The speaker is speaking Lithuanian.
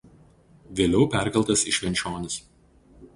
Vėliau perkeltas į Švenčionis.